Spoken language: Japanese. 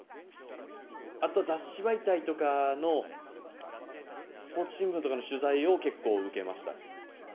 あと雑誌媒体とかのスポーツ新聞とかの取材を結構受けましたね。